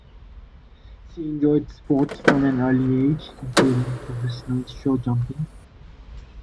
She enjoyed sports from an early age, including professional showjumping.